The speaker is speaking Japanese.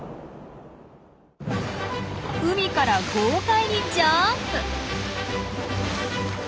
海から豪快にジャンプ！